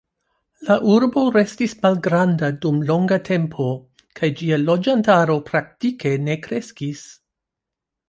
La urbo restis malgranda dum longa tempo kaj ĝia loĝantaro praktike ne kreskis.